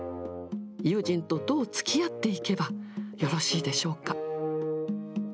友人とどうつきあっていけばよろしいでしょうか。